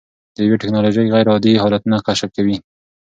د یون ټېکنالوژي غیرعادي حالتونه کشف کوي.